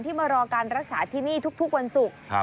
มารอการรักษาที่นี่ทุกวันศุกร์